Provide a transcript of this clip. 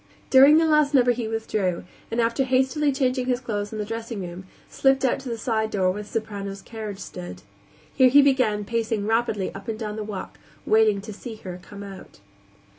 During the last number he withdrew and, after hastily changing his clothes in the dressing room, slipped out to the side door where the soprano's carriage stood. Here he began pacing rapidly up and down the walk, waiting to see her come out.